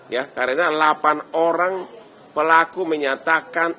ya karena delapan orang pelaku menyatakan